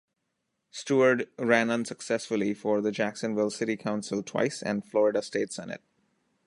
Steward ran unsuccessfully for the Jacksonville City Council twice and Florida State Senate.